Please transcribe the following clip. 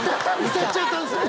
歌っちゃったんですね。